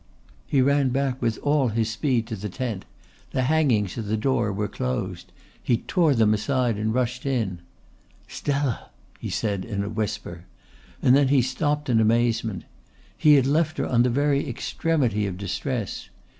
He ran back with all his speed to the tent. The hangings at the door were closed. He tore them aside and rushed in. "Stella!" he said in a whisper, and then he stopped in amazement. He had left her on the very extremity of distress.